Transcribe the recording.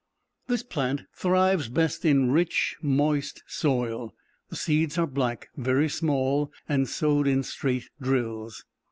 This plant thrives best in a rich, moist soil. The seeds are black, very small, and sowed in straight drills.